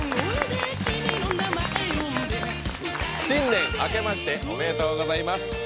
新年明けましておめでとうございます。